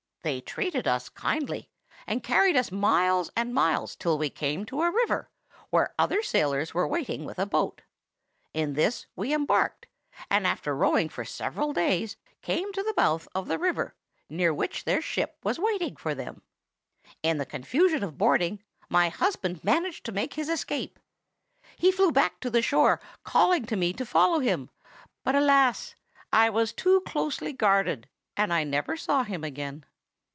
They treated us kindly, and carried us miles and miles till we came to a river, where other sailors were waiting with a boat. In this we embarked, and after rowing for several days, came to the mouth of the river, near which their ship was waiting for them. "In the confusion of boarding, my husband managed to make his escape. He flew back to the shore, calling to me to follow him; but, alas! I was too closely guarded, and I never saw him again.